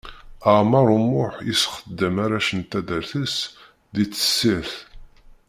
Ɛmer Umuḥ yessexdam arrac n taddart-is di tessirt.